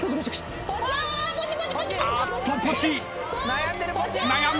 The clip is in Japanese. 悩んでいる。